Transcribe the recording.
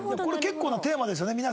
これ結構なテーマですよね